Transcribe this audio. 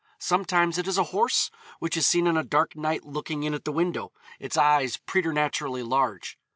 Sometimes it is a horse, which is seen on a dark night looking in at the window, its eyes preternaturally large.